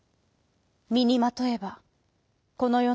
みにまとえばこのよ